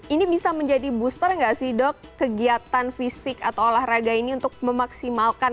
ini bisa menjadi booster nggak sih dok kegiatan fisik atau olahraga ini untuk memaksimalkan